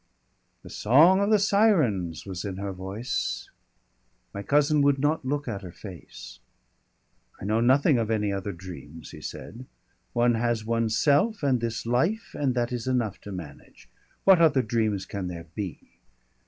The song of the sirens was in her voice; my cousin would not look at her face. "I know nothing of any other dreams," he said. "One has oneself and this life, and that is enough to manage. What other dreams can there be?